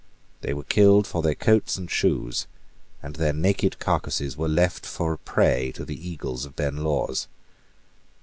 They were killed for their coats and shoes; and their naked carcasses were left for a prey to the eagles of Ben Lawers.